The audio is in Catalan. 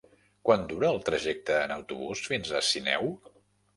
Quant dura el trajecte en autobús fins a Sineu?